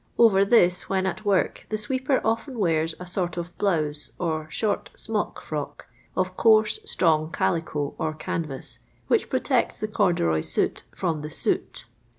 Over this when'at work the sweeper often, wears a sort of blouse or short smock frock of coarse strong calico or canvas, which protects the corduroy suit from the soot.